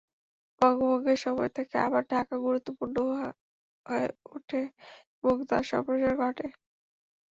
বঙ্গভঙ্গের সময় থেকে আবার ঢাকা গুরুত্বপূর্ণ হয়ে ওঠে এবং তার সম্প্রসার ঘটে।